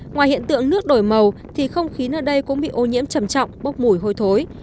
ngoài hiện tượng nước đổi màu thì không khí ở đây cũng bị ô nhiễm trầm trọng bốc mùi hôi thối